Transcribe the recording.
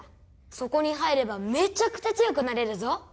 そこに入ればめちゃくちゃ強くなれるぞ。